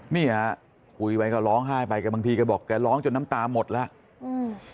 นี่คุยไว้ก็ร้องไห้ไปบางทีก็บอกจะร้องจนน้ำตาหมดแล้ว